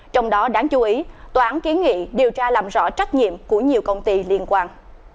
trong đó đáng chú ý tòa án kiến nghị điều tra làm rõ trách nhiệm của nhiều công ty liên quan